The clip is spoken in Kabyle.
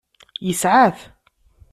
Yesɛa-t.